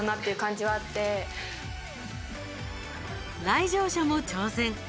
来場者も挑戦。